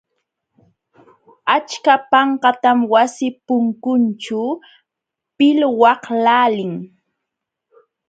Achka panqatam wasi punkunćhu pilwaqlaalin.